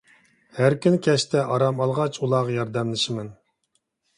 ھەر كۈنى كەچتە ئارام ئالغاچ ئۇلارغا ياردەملىشىمەن.